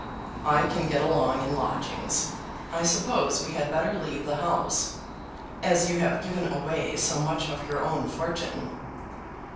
"I can get along in lodgings. I suppose we had better leave the house, as you have given away so much of your own fortune?"